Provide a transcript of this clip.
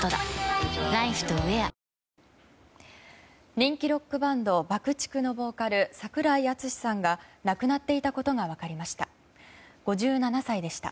人気ロックバンドＢＵＣＫ‐ＴＩＣＫのボーカル櫻井敦司さんが亡くなっていたことが分かりました。